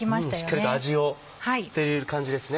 しっかりと味を吸っている感じですね。